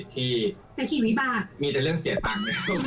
ที่แต่กินเวียบากมีแต่เรื่องเสียตัง